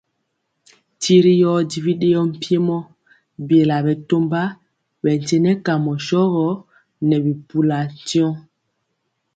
Tiri yɔ di bidɛɛɔ mpiemo biela bɛtɔmba bɛ tyenɛ kamɔ shɔgɔ nɛ bi mpulɔ tyɔŋ.